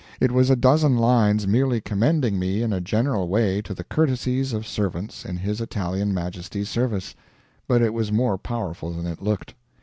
It was a dozen lines merely commending me in a general way to the courtesies of servants in his Italian Majesty's service, but it was more powerful than it looked.